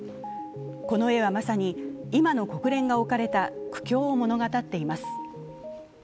この絵はまさに、今の国連が置かれた苦境を物語っています。